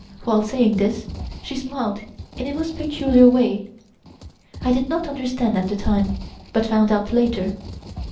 While saying this she smiled in a most peculiar way. I did not understand at the time, but found out later.